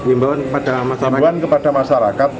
imbuan kepada masyarakat